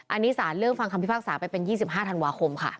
อันนี้สารเริ่มฟังคำพิพากษาไปเป็น๒๕ธันวาคมค่ะ